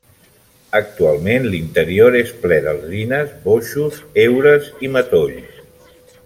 Actualment l'interior és ple d'alzines, boixos, heures i matolls.